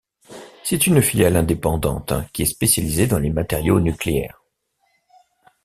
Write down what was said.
C'est une filiale indépendante qui est spécialisée dans les matériaux nucléaires.